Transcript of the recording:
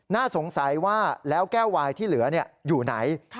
น่าสงสัยว่าแล้วแก้ววายที่เหลืออยู่ไหน